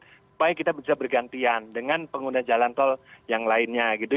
supaya kita bisa bergantian dengan pengguna jalan tol yang lainnya gitu